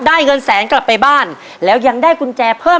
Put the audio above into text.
ยังเหลือเวลาทำไส้กรอกล่วงได้เยอะเลยลูก